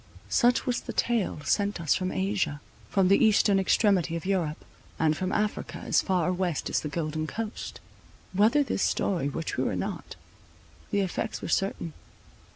Such was the tale sent us from Asia, from the eastern extremity of Europe, and from Africa as far west as the Golden Coast. Whether this story were true or not, the effects were certain.